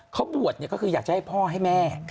เขาบวชก็คืออยากจะให้พ่อให้แม่